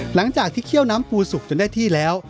หลังจากที่เคี่ยวน้ำปูสุกจนได้ที่แล้ว